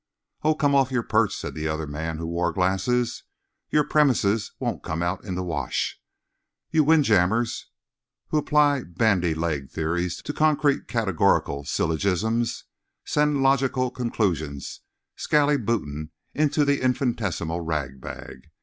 "Oh, come off your perch!" said the other man, who wore glasses. "Your premises won't come out in the wash. You wind jammers who apply bandy legged theories to concrete categorical syllogisms send logical conclusions skallybootin' into the infinitesimal ragbag.